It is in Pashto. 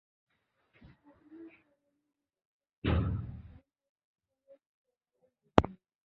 تاریخ د افغانستان د بڼوالۍ برخه ده.